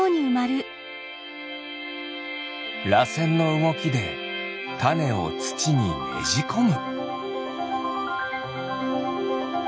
らせんのうごきでタネをつちにねじこむ。